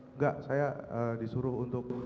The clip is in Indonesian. enggak saya disuruh untuk